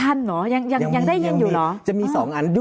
ธันด์เหรอยังได้ยินอยู่เหรอ